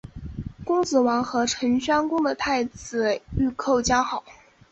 公子完和陈宣公的太子御寇交好。